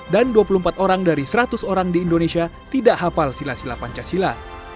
dan dua puluh empat orang dari seratus orang di indonesia tidak hafal sila sila pancasila